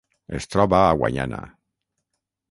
Es troba a Guaiana.